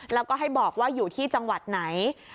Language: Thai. แล้วก็ให้บอกว่าอยู่ที่จังหวัดไหน